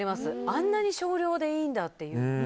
あんなに少量でいいんだという。